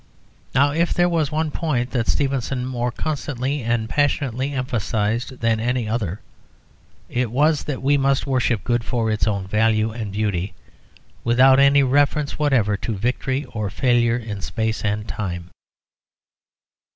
Now if there was one point that Stevenson more constantly and passionately emphasised than any other it was that we must worship good for its own value and beauty, without any reference whatever to victory or failure in space and time.